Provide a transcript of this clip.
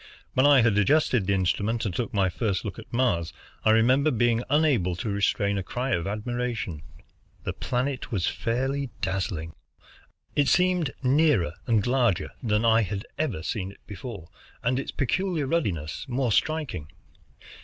When I had adjusted the instrument and took my first look at Mars, I remember being unable to restrain a cry of admiration. The planet was fairly dazzling. It seemed nearer and larger than I had ever seen it before, and its peculiar ruddiness more striking.